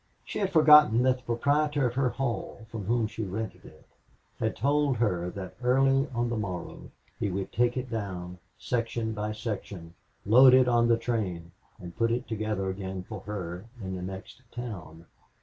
She had forgotten that the proprietor of her hall, from whom she rented it, had told her that early on the morrow he would take it down section by section, load it on the train, and put it together again for her in the next town.